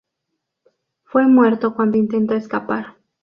Fue muerto cuando intentó escapar.